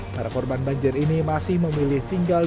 para korban banjir ini masih memilih tinggal